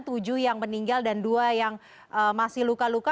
tujuh yang meninggal dan dua yang masih luka luka